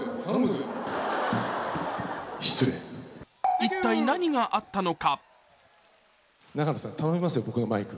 一体何があったのか。